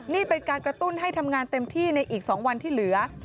นี่เป็นการกระตุ้นให้ทำงานเต็มที่ในอีก๒วันที่เหลือ